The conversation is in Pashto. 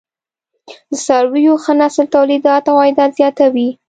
د څارويو ښه نسل تولیدات او عاید زیاتوي.